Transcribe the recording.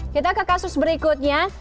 kita ke kasus berikutnya